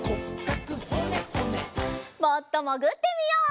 もっともぐってみよう。